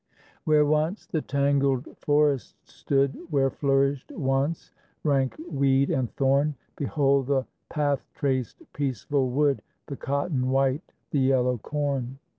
Where once the tangled forest stood, Where flourished once rank weed and thorn, Behold the path traced, peaceful wood, The cotton white, the yellow corn.